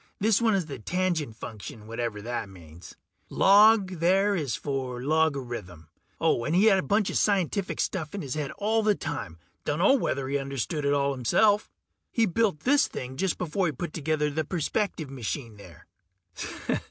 This one is the Tangent Function, whatever that means. Log, there, is short for logarithm. Oh, he had a bunch of that scientific stuff in his head all the time; dunno whether he understood it all himself. He built this thing just before he put together the perspective machine there.